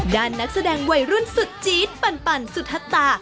ด้านนักแสดงวัยรุ่นสุดจี๊ดปั่นสุดทัตตา